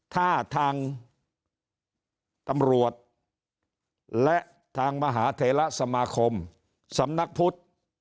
ถ้าทางตำรวจและทางมหาเทระสมาคมสำนักพุทธ